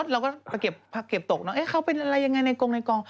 เราก็ไปเก็บตกเขาเป็นอะไรยังไงในกรง